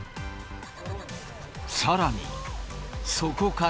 さらに、そこから。